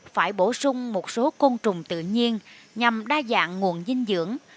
phải bổ sung một số côn trùng tự nhiên nhằm đa dạng nguồn dinh dưỡng